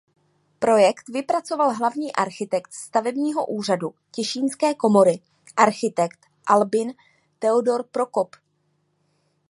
Projekt vypracoval hlavní architekt stavebního úřadu Těšínské komory architekt Albin Teodor Prokop.